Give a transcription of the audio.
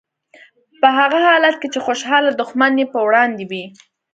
په هغه حالت کې چې خوشحاله دښمن یې په وړاندې وي.